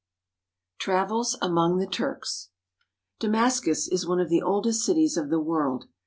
TRAVELS AMONG THE TURKS DAMASCUS is one of the oldest cities of the world.